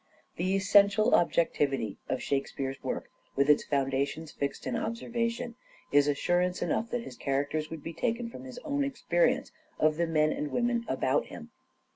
The essential objectivity of Shakespeare's work, with its foundations fixed in observation, is assurance enough that his characters would be taken from his own experience of the men and women about him.